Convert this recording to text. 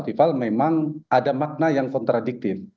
rival memang ada makna yang kontradiktif